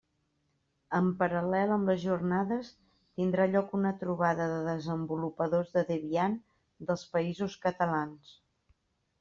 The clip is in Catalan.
En paral·lel amb les Jornades tindrà lloc una trobada de desenvolupadors de Debian dels Països Catalans.